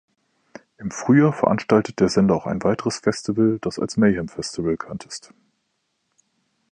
Im Frühjahr veranstaltet der Sender auch ein weiteres Festival, das als Mayhem Festival bekannt ist.